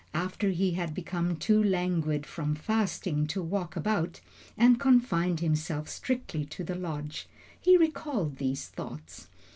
After he had become too languid from fasting to walk about, and confined himself strictly to the lodge, he recalled these thoughts.